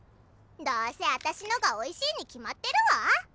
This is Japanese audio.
どうせ私のがおいしいに決まってるわ。